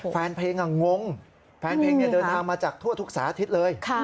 แฟนเพลงงงแฟนเพลงเดินทางมาจากทั่วทุกสารอาทิตย์เลย